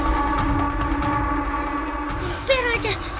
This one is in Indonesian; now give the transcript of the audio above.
kita masuk aja yuk